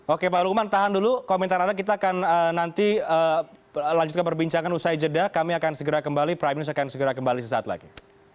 oke pak lukman tahan dulu komentar anda kita akan nanti lanjutkan perbincangan usai jeda kami akan segera kembali prime news akan segera kembali sesaat lagi